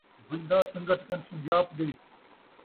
بن٘دا سن٘گت کن سُن٘ڄاپدے